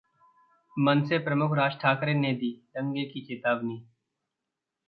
मनसे प्रमुख राज ठाकरे ने दी ‘दंगे’ की चेतावनी